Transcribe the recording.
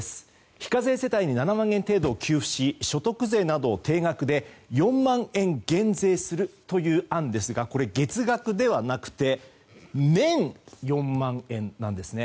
非課税世帯に７万円程度を給付し所得税などを定額で４万円減税するという案ですがこれ月額ではなくて年４万円なんですね。